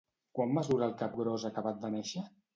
Quan mesura el capgròs acabat de néixer?